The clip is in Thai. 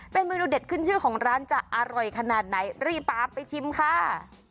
เป็นเมนูเด็ดขึ้นชื่อของร้านจะอร่อยขนาดไหนรีบตามไปชิมค่ะ